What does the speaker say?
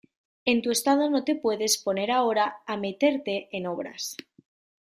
en tu estado no te puedes poner ahora a meterte en obras,